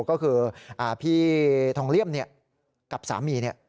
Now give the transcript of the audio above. ก็คือพี่ทองเลี่ยมกับสามีเนี่ย